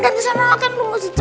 gan abis keempat buatiance